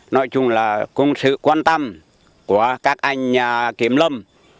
nói chung là cũng sự quan tâm của các anh kiếm lâm